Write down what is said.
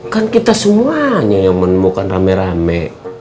kan kita semuanya yang menemukan rame rame